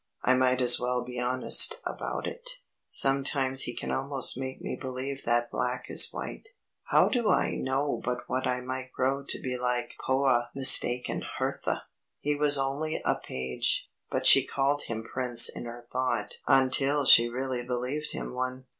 "I might as well be honest about it. Sometimes he can almost make me believe that black is white. How do I know but what I might grow to be like poah mistaken Hertha? He was only a page, but she called him prince in her thought until she really believed him one."